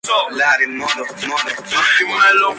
En mi vida ha sido capaz de hacerlo todo, artístico y humano.